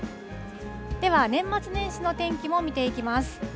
では、年末年始の天気も見ていきます。